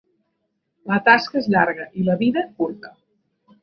La tasca és llarga, i la vida, curta.